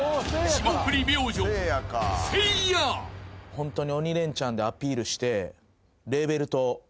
ホントに。